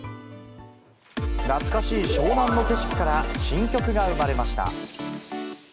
懐かしい湘南の景色から新曲が生まれました。